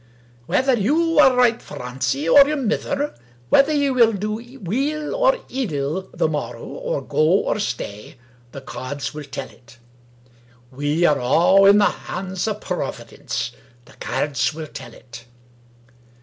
"Whether you are right, Francie, or your mither — whether ye will do weel or ill, the morrow, to go or stay — the cairds will tell it. We are a' in the hands of Proavi dence. The cairds will tell it."